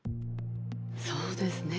そうですね。